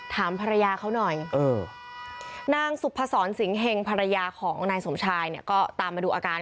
ถามภรรยาเขาหน่อยนางสุพศรสิงหงภรรยาของนายสมชายเนี่ยก็ตามมาดูอาการ